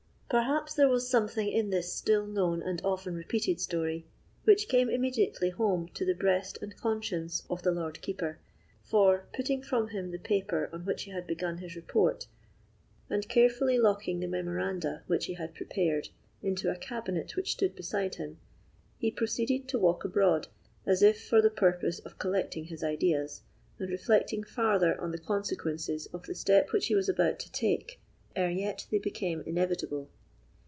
Perhaps there was something in this still known and often repeated story which came immediately home to the breast and conscience of the Lord Keeper; for, putting from him the paper on which he had begun his report, and carefully locking the memoranda which he had prepared into a cabinet which stood beside him, he proceeded to walk abroad, as if for the purpose of collecting his ideas, and reflecting farther on the consequences of the step which he was about to take, ere yet they became inevitable.